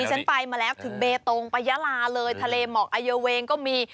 ฉันไปมาแล้วถึงเบตงไปยาลาเลยทะเลหมอกไอเยาเวงก็มี